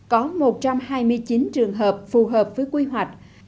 có một trăm hai mươi chín trường hợp phù hợp với quy hoạch